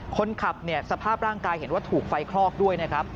คนขับเนี่ยสภาพร่างกายเห็นว่าถูกไฟคลอกด้วยนะครับ